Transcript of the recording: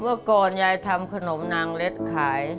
เมื่อก่อนยายทำขนมนางเล็ดขาย